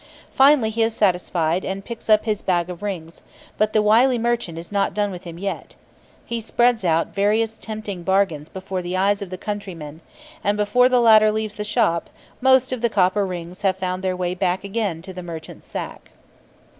Finally, he is satisfied, and picks up his bag of rings; but the wily merchant is not done with him yet. He spreads out various tempting bargains before the eyes of the countryman, and, before the latter leaves the shop, most of the copper rings have found their way back again to the merchant's sack.